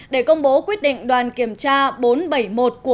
để công bố quyết định đoàn kiểm tra bốn trăm bảy mươi một của